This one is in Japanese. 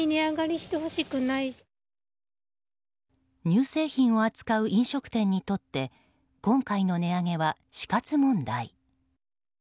乳製品を扱う飲食店にとって今回の値上げは死活問題。